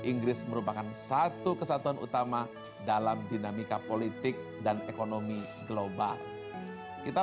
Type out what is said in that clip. inggris merupakan satu kesatuan utama dalam dinamika politik dan ekonomi global kita